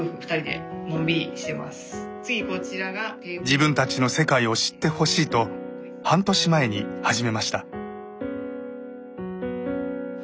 自分たちの世界を知ってほしいと半年前に始めました。